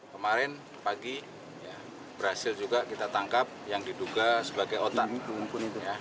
kemarin pagi berhasil juga kita tangkap yang diduga sebagai otak mumpuni